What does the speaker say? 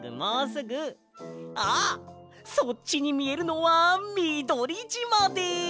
そっちにみえるのはみどりじまです！